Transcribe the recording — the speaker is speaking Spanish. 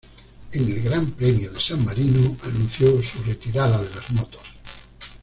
En el Gran Premio de San Marino anunció su retirada de las motos.